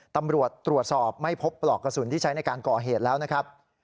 ตำรวจตรวจสอบไม่พบปลอกกระสุนที่ใช้ในการก่อเหตุแล้วนะครับ